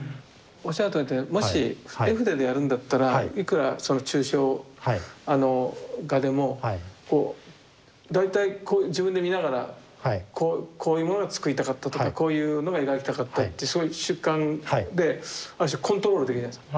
おっしゃるとおりでもし絵筆でやるんだったらいくらその抽象画でもこう大体自分で見ながらこういうものが作りたかったとかこういうのが描きたかったってそういう主観である種コントロールできるじゃないですか。